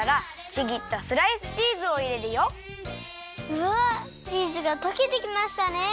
うわチーズがとけてきましたね！